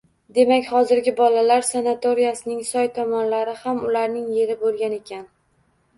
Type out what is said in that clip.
Demak, xozirgi bolalar sanatoriyasining soy tomonlari ham ularning yeri bo’lgan ekan.